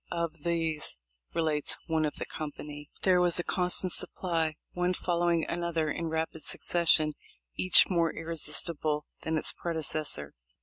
"Of these," relates one of the company,* "there was a constant supply, one following another in rapid succession, each more irresistible than its predecessor.